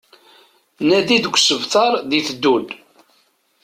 Nadi deg usebter d-iteddun